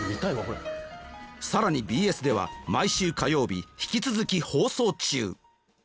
更にＢＳでは毎週火曜日引き続き放送中！